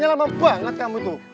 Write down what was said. lama banget kamu tuh